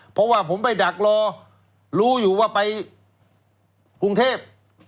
เพราะว่าผมไปดักรอรู้อยู่ว่าไปกรุงเทพ